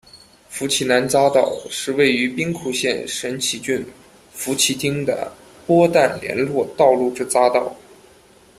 福崎南匝道是位于兵库县神崎郡福崎町的播但连络道路之匝道。